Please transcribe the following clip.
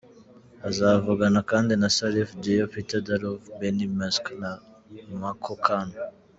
Azovugana kandi na Salif Diao, Peter Ndlovu, Benni McCarthy na Nwankwo Kanu.